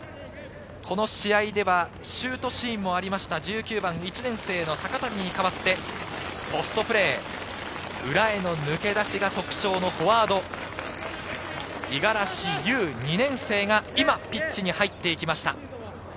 この試合ではシュートシーンもありました、１９番１年生の高谷に代わって、ポストプレー、裏への抜け出しが特徴のフォワード五十嵐悠、２年生が今ピッチに入っていきました。